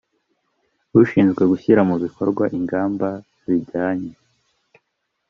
ushinzwe gushyira mu bikorwa ingamba zijyanye